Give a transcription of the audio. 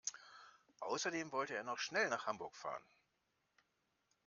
Außerdem wollte er noch schnell nach Hamburg fahren